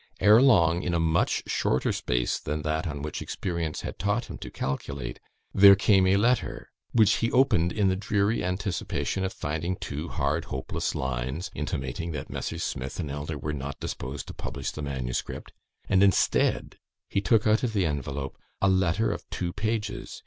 Ere long, in a much shorter space than that on which experience had taught him to calculate, there came a letter, which he opened in the dreary anticipation of finding two hard hopeless lines, intimating that 'Messrs. Smith and Elder were not disposed to publish the MS.,' and, instead, he took out of the envelope a letter of two pages.